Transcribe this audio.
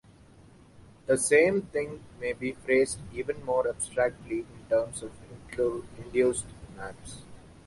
The same thing may be phrased even more abstractly in terms of induced maps.